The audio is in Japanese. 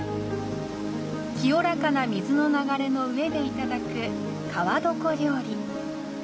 清らかな水の流れの上でいただく川床料理。